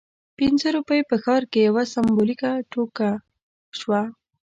پنځه روپۍ په ښار کې یوه سمبولیکه ټوکه شوه.